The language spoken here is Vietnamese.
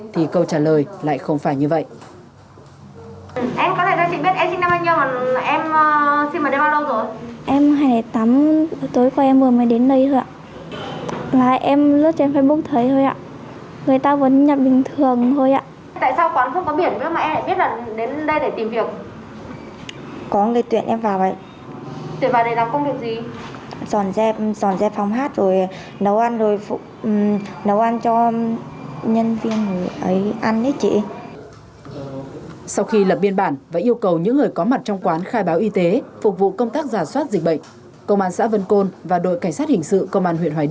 thì câu trả lời lại không phải như vậy